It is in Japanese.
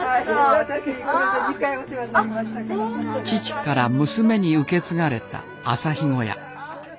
父から娘に受け継がれた朝日小屋。